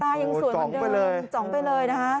ตายอย่างสวยเหมือนเดิมจองไปเลยนะคะ